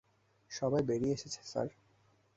সবাই বেরিয়ে এসেছে, স্যার।